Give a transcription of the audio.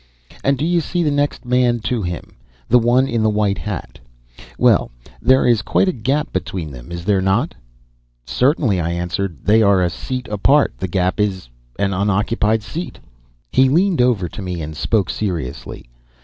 "And do you see the next man to him, the one in the white hat? Well, there is quite a gap between them, is there not?" "Certainly," I answered. "They are a seat apart. The gap is the unoccupied seat." He leaned over to me and spoke seriously.